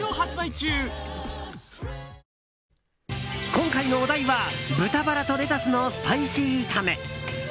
今回のお題は豚バラとレタスのスパイシー炒め。